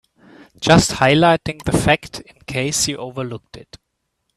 Just highlighting that fact in case you overlooked it.